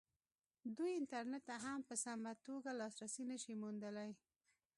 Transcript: دوی انټرنېټ ته هم په سمه توګه لاسرسی نه شي موندلی.